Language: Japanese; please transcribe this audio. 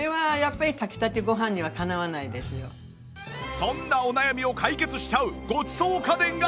そんなお悩みを解決しちゃうごちそう家電が登場！